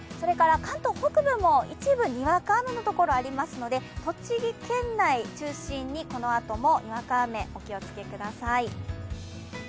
関東北部も一部にわか雨のところがありますので栃木県内中心にこのあともにわか雨、お気をつけください。